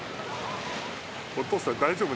お父さん大丈夫？